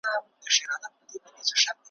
چي څوک سپور ویني پر آس دی یې غلام وي `